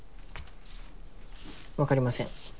分かりません